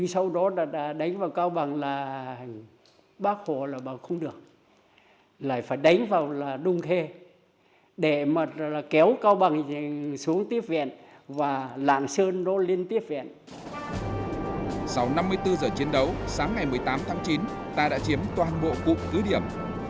sau năm mươi bốn giờ chiến đấu sáng ngày một mươi tám tháng chín ta đã chiếm toàn bộ cụm cứ điểm